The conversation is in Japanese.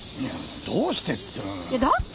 どうしてって。